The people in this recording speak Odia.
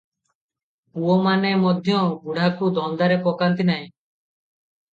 ପୁଅମାନେ ମଧ୍ୟ ବୁଢ଼ାକୁ ଧନ୍ଦାରେ ପକାନ୍ତି ନାହିଁ ।